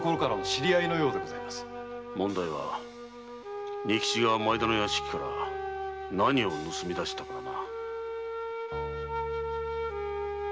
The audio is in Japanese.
問題は仁吉が前田の屋敷から何を盗み出したのかだな。